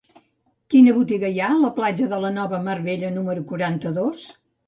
Quina botiga hi ha a la platja de la Nova Mar Bella número quaranta-dos?